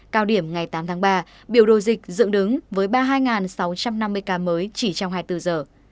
cao điểm ngày tám tháng ba biểu đồ dịch dựng đứng với ba mươi hai sáu trăm năm mươi ca mới chỉ trong hai mươi bốn giờ